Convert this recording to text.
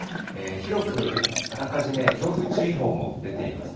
広く、あらかじめ強風注意報も出ています。